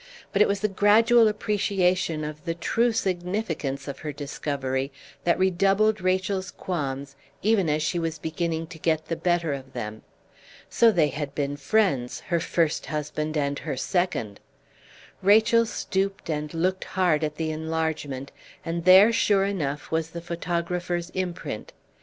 But it was the gradual appreciation of the true significance of her discovery that redoubled Rachel's qualms even as she was beginning to get the better of them. So they had been friends, her first husband and her second! Rachel stooped and looked hard at the enlargement, and there sure enough was the photographer's imprint.